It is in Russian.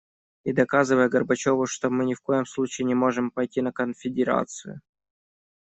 И доказывая Горбачёву, что мы ни в коем случае не можем пойти на конфедерацию.